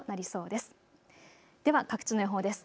では各地の予報です。